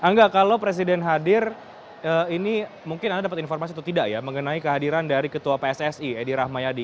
angga kalau presiden hadir ini mungkin anda dapat informasi atau tidak ya mengenai kehadiran dari ketua pssi edi rahmayadi